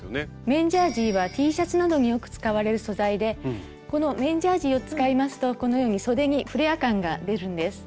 綿ジャージーはＴシャツなどによく使われる素材でこの綿ジャージーを使いますとこのようにそでにフレア感が出るんです。